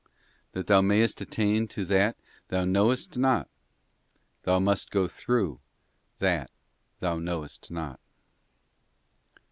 That thou mayest attain to that thou knowest not, thou must go through that thou knowest not.